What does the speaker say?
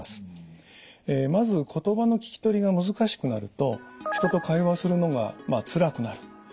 まず言葉の聞き取りが難しくなると人と会話をするのがつらくなる。